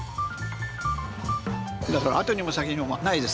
だから後にも先にもないです。